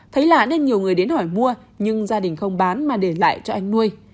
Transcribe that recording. thấy lạ nên nhiều người đến hỏi mua nhưng gia đình không bán mà để lại cho anh nuôi